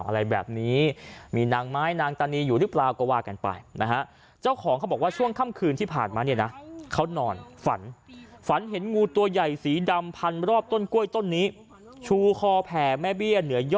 อะไรแบบนี้มีนางไม้นางตะเนีย